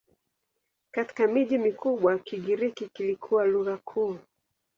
Katika miji mikubwa Kigiriki kilikuwa lugha kuu.